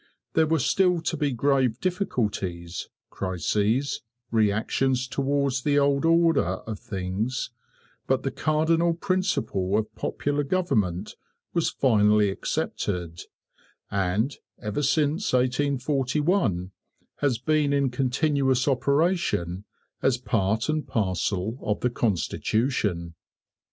There were still to be grave difficulties, crises, reactions towards the old order of things; but the cardinal principle of popular government was finally accepted, and, ever since 1841, has been in continuous operation, as part and parcel of the constitution.